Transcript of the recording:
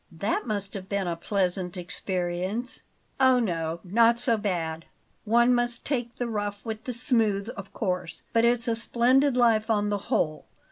"That must have been a pleasant experience." "Oh, not so bad! One must take the rough with the smooth, of course; but it's a splendid life on the whole.